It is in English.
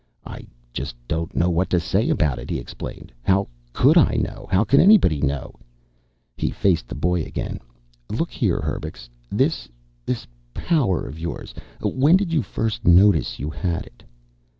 "I just don't know what to say about it," he explained. "How could I know? How could anybody know?" He faced the boy again. "Look here, Herbux. This this power of yours. When did you first notice you had it?"